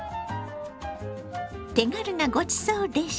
手軽なごちそうレシピ。